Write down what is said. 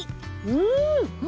うん。